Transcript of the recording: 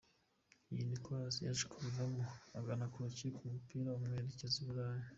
Uyu Nicolas yaje kubivamo agana iyo gukina umupira imwerekeza i Burayi.